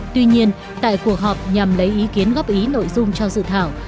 tuy nhiên tại cuộc họp nhằm lấy ý kiến góp ý nội dung cho dự thảo